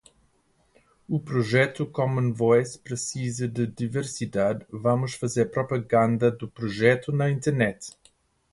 O projeto commonvoice precisa de diversidade, vamos fazer propaganda do projeto na internet